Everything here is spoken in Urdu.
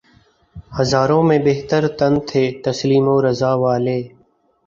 ہزاروں میں بہتر تن تھے تسلیم و رضا والے